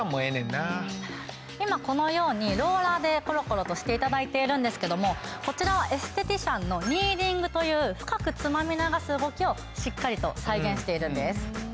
今このようにローラーでコロコロとして頂いているんですけどもこちらはエステティシャンのニーディングという深くつまみ流す動きをしっかりと再現しているんです。